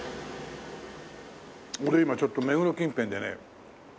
俺今ちょっと目黒近辺でね